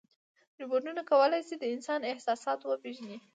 روبوټونه کولی شي د انسان احساسات وپېژني.